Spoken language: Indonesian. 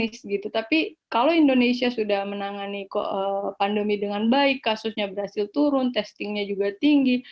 kita akan memiliki keuntungan yang sangat tinggi